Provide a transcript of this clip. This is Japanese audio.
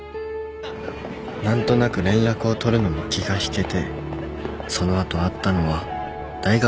何となく連絡を取るのも気がひけてその後会ったのは大学を出てから